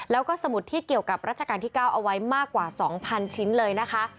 แล้วก็สมุดที่เกี่ยวกับรัชกาลที่๙เอาไว้มากกว่า๒๐๐ชิ้นเลยนะคะ